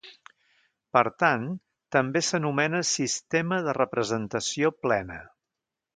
Per tant, també s'anomena sistema de representació plena.